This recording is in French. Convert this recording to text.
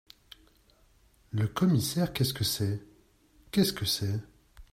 Le Commissaire Qu’est-ce que c’est ?… qu’est-ce que c’est ?…